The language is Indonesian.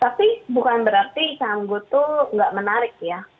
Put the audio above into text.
tapi bukan berarti saham gotoh nggak menarik ya